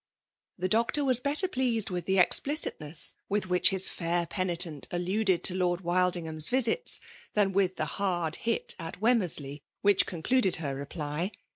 r The doctor was better pleased \vith the ex pficitness with which his ftiir penitent alluded to Lord Wildingham's visits, than with the ^f^Tji I)it ^t:WemTapietAey, whidbf concluded h^ reply